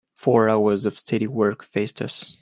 Four hours of steady work faced us.